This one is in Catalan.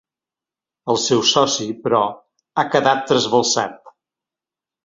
El seu soci, però, ha quedat trasbalsat.